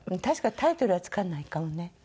確かにタイトルは付かないかもね。